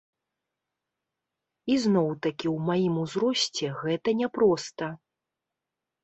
І зноў-такі ў маім узросце гэта няпроста.